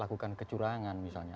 lakukan kecurangan misalnya